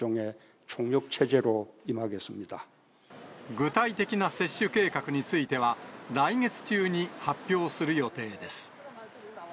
具体的な接種計画については、来月中に発表する予定です。